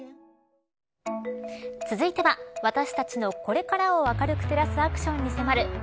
続いては私たちのこれからを明るく照らすアクションに迫る＃